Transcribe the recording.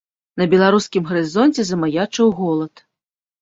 На беларускім гарызонце замаячыў голад.